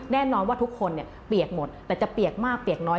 แน่นอนว่าทุกคนเนี่ยเปียกหมดแต่จะเปียกมากเปียกน้อย